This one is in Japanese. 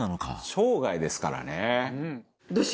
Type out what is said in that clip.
「生涯ですからね」